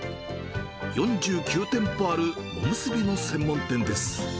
４９店舗あるおむすびの専門店です。